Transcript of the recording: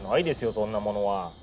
そんなものは。